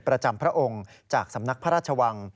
พระองค์จากสำนักพระราชวัง